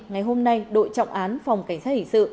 ngày hôm nay đội trọng án phòng cảnh sát hình sự